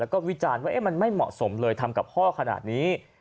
แล้วก็วิจารณ์ว่ามันไม่เหมาะสมเลยทำกับพ่อขนาดนี้